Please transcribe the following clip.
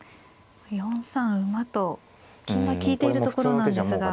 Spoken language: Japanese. ４三馬と金が利いているところなんですが。